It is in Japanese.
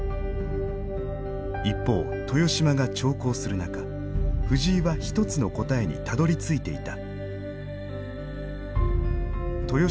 一方豊島が長考する中藤井は一つの答えにたどりついていた。